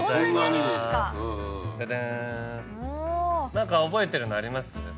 何か覚えてるのあります？